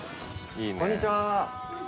こんにちは！